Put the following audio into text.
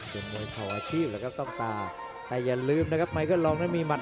เป็นมวยเผาอาชีพแหละครับต้องตาแต่อย่าลืมนะครับไมเคิลลองมีมัด๑๒